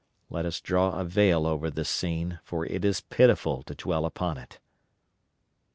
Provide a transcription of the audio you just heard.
Let us draw a veil over this scene, for it is pitiful to dwell upon it.